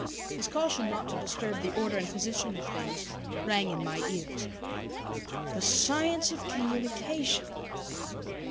His caution not to disturb the order and position of things rang in my ears. The Science of Communication!